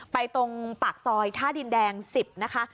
ตรงปากซอยท่าดินแดง๑๐นะคะ